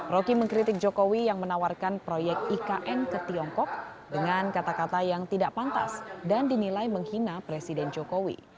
roky mengkritik jokowi yang menawarkan proyek ikn ke tiongkok dengan kata kata yang tidak pantas dan dinilai menghina presiden jokowi